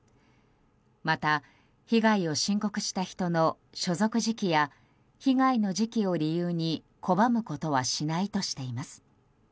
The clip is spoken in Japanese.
また被害を申告した人の所属時期や被害の時期を理由に拒むことはしないとしています。